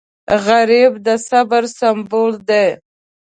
غریب د صبر سمبول دی